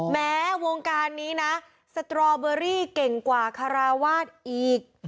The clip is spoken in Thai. แม้วงการนี้นะสตรอเบอรี่เก่งกว่าคาราวาสอีก